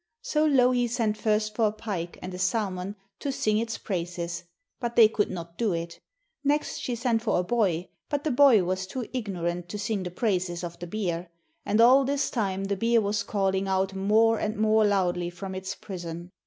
So Louhi sent first for a pike and a salmon to sing its praises, but they could not do it. Next she sent for a boy, but the boy was too ignorant to sing the praises of the beer, and all this time the beer was calling out more and more loudly from its prison.